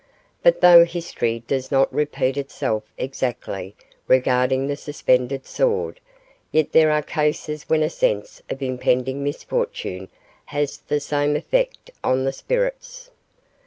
But though history does not repeat itself exactly regarding the suspended sword, yet there are cases when a sense of impending misfortune has the same effect on the spirits.